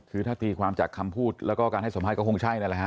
คือถ้าตีความจากคำพูดแล้วก็การให้สัมภาษณ์ก็คงใช่นั่นแหละฮะ